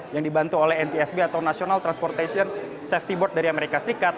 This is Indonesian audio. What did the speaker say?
yang dibantu oleh ntsb atau national transportation safety board dari amerika serikat